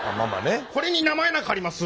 これに名前なんかあります？